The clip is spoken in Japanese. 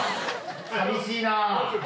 寂しいな。